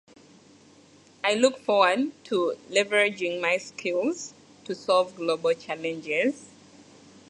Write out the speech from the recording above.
His students include Muhammad Qasim Nanautawi and Shibli Nomani.